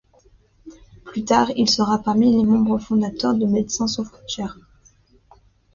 Plus tard, il sera parmi les membres fondateurs de Médecins sans frontières.